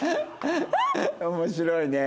面白いね。